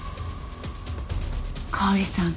香織さん